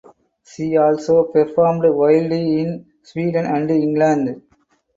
She also performed widely in Sweden and England.